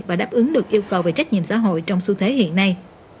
và đáp ứng được yêu cầu về trách nhiệm xã hội trong xu thế hiện nay